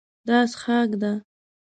دا څښاک ده.